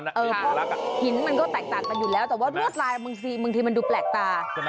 จำตัวมันอ่ะหินมันก็แตกต่างไปอยู่แล้วแต่ว่าด้วยตลาดมึงที่มันดูแปลกตา